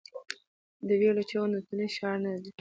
د ویر له چیغو نتلی ښار دی